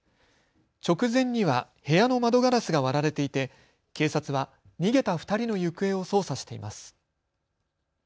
直前には部屋の窓ガラスが割られていて警察は逃げた２人の行方を捜査しています。